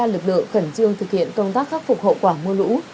lực lượng khẩn trương thực hiện công tác khắc phục hậu quả mùa lũ